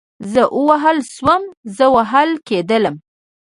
زه ووهل شوم, زه وهل کېدلم